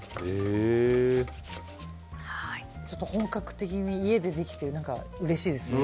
本格的に家でできてうれしいですね。